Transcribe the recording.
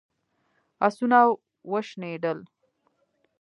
آسونه وشڼېدل.